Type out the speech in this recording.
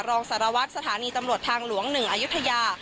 รองสารวัตรสถานีตำรวจทางหลวง๑อายุทยา